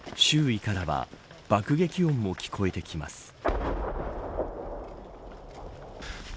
周囲からは爆撃も聞こえてきます。